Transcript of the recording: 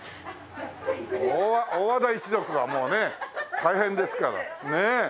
大和田一族はもうね大変ですからねえ。